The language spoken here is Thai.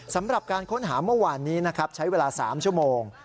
สำหรับการค้นหาเมื่อวานนี้นะครับใช้เวลา๓ชั่วโมง